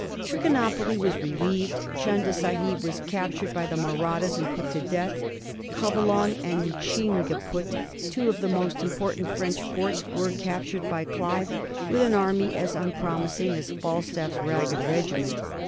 Trichinopoly was relieved; Chunda Sahib was captured by the Mahrattas and put to death; Covelong and Ghing keput, two of the most important French forts, were capt ured by Clive with an army as unpromising as FalstafPs ragged . regiment.